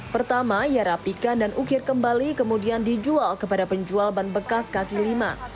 pertama ia rapikan dan ukir kembali kemudian dijual kepada penjual ban bekas kaki lima